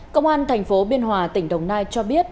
công an tp biên hòa tỉnh đồng nai cho biết